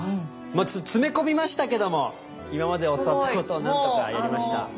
詰め込みましたけども今まで教わったことを何とかやりました。